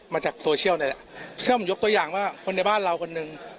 มาจากโซเชียลนี่แหละเชื่อผมยกตัวอย่างว่าคนในบ้านเราคนหนึ่ง